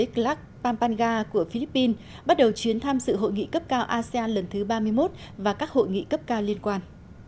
clark pampanga của philippines bắt đầu chuyến thăm sự hội nghị cấp cao asean lần thứ ba mươi một và các hội nghị cấp cao liên quan